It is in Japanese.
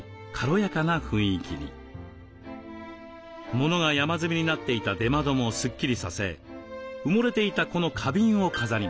ものが山積みになっていた出窓もすっきりさせ埋もれていたこの花瓶を飾りました。